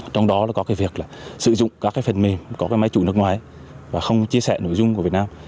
trong đó có việc sử dụng các phần mềm có máy chủ nước ngoài và không chia sẻ nội dung của việt nam